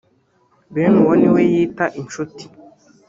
bene uwo niwe yita inshuti